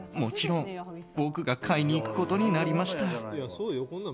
もちろん僕が買いに行くことになりました。